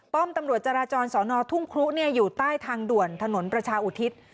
ตำรวจจราจรสอนอทุ่งครุอยู่ใต้ทางด่วนถนนประชาอุทิศ